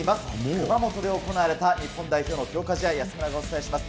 熊本で行われた日本代表の強化試合、私安村がお伝えします。